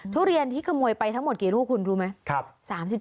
ทุเรียนที่ขโมยไปทั้งหมดกี่ลูกคุณรู้ไหม